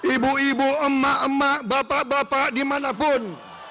ibu ibu emak emak bapak bapak dimanapun